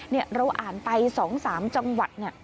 เราอ่านไป๒๓จังหวัด